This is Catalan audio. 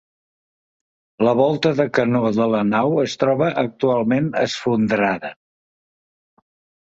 La volta de canó de la nau es troba actualment esfondrada.